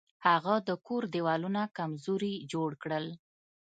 هغه د کور دیوالونه کمزوري جوړ کړل.